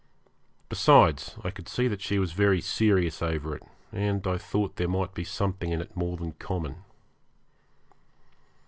Besides, I could see that she was very serious over it, and I thought there might be something in it more than common.